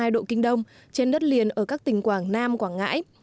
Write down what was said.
một trăm linh tám hai độ kinh đông trên đất liền ở các tỉnh quảng nam quảng ngãi